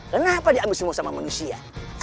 kenapa diambil semua sama manusia